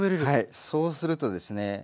そうするとですね